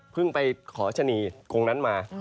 เพิ่งไปขอชนีกรุงนั้นมา